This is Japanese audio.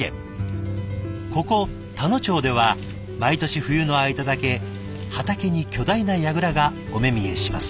ここ田野町では毎年冬の間だけ畑に巨大なやぐらがお目見えします。